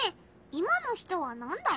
今の人はなんだ？